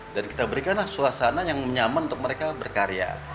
dan kita berikanlah suasana yang nyaman untuk mereka berkarya